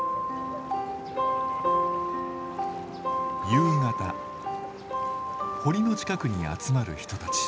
夕方堀の近くに集まる人たち。